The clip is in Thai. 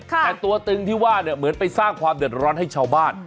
แต่ตัวตึงที่ว่าเนี่ยเหมือนไปสร้างความเดือดร้อนให้ชาวบ้าน